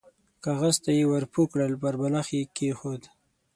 کاغذ ته يې ور پوه کړل، پر بالښت يې کېښود.